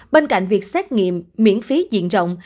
bên cạnh việc xét nghiệm miễn phí diện rộng